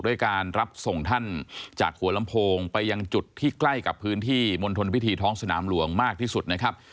ด้วยการรับส่งท่านจากหัวลำโพงไปยังจุดที่ใกล้กับพื้นที่มณฑลพิธีท้องสนามหลวงมากที่สุดนะครับ